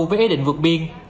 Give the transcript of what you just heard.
với ý định vượt biên